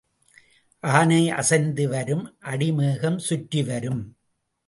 ஆனை அசைந்து வரும் அடி மேகம் சுற்றி வரும்.